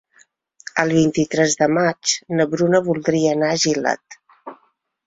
El vint-i-tres de maig na Bruna voldria anar a Gilet.